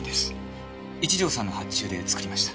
一条さんの発注で作りました。